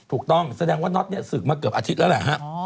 ถูกต้องแสดงว่าน็อตสึกมาเกือบอาทิตย์แล้ว